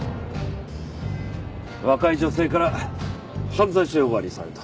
若い女性から犯罪者呼ばわりされた。